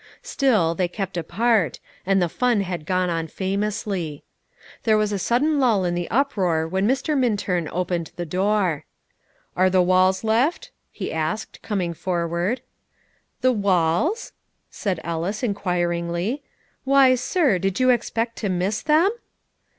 Still, they kept apart, and the fun had gone on famously. There was a sudden lull in the uproar when Mr. Minturn opened the door. "Are the walls left?" he asked, coming forward. "The walls?" said Ellis inquiringly; "why, sir, did you expect to miss them?"